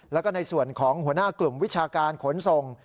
แล้วก็ในส่วนของหัวหน้ากลุ่มวิชาการขนส่ง